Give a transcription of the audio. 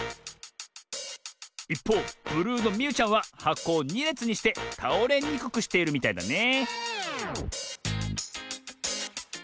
いっぽうブルーのみゆちゃんははこを２れつにしてたおれにくくしているみたいだね